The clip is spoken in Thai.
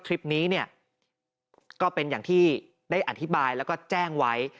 คลิปนี้เนี่ยก็เป็นอย่างที่ได้อธิบายแล้วก็แจ้งไว้